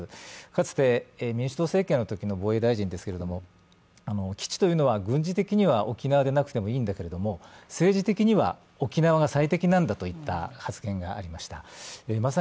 かつて民主党政権のときの防衛大臣ですけれども、基地というのは軍事的には沖縄でなくてもいいんだけど政治的には、沖縄が最適なんだといった発言がありました。